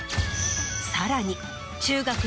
さらに。